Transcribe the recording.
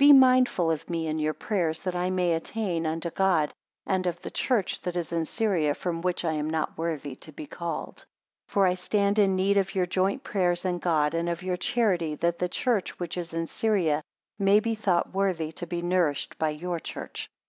8 Be mindful of me in your prayers, that I may attain unto God, and of the church that is in Syria, from which I am not worthy to be called. 9 For I stand in need of your joint prayers in God, and of your charity, that the church which is in Syria may be thought worthy to be nourished by your church.